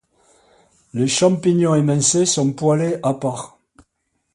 Les champignons émincés sont poêlés à part.